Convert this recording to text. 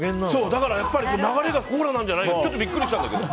だから、流れがコーラなんじゃないかってビックリしたんだけど。